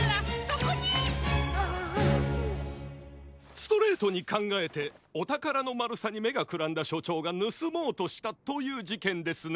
ストレートにかんがえておたからのまるさにめがくらんだしょちょうがぬすもうとしたというじけんですね。